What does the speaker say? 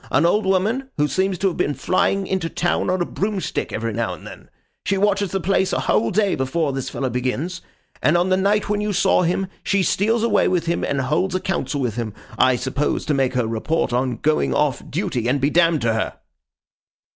An old woman who seems to have been flying into town on a broomstick, every now and then. She watches the place a whole day before this fellow begins, and on the night when you saw him, she steals away with him and holds a council with him—I suppose, to make her report on going off duty, and be damned to her.